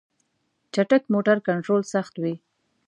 چټک موټر کنټرول سخت وي.